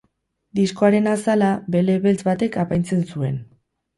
Diskoaren azala bele beltz batek apaintzen zuen.